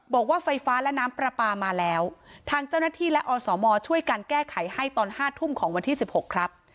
บอกว่าไฟฟ้าและน้ำปลาปลามาแล้วทางเจ้าหน้าที่และอสมช่วยกันแก้ไขให้ตอนห้าทุ่มของวันที่สิบหกครับ